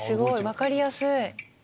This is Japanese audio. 分かりやすい。